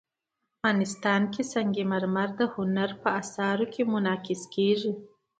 افغانستان کې سنگ مرمر د هنر په اثار کې منعکس کېږي.